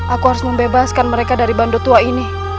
aku harus membebaskan mereka dari bandu tua ini